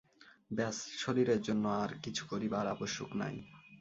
ব্যস্, শরীরের জন্য আর কিছু করিবার আবশ্যক নাই।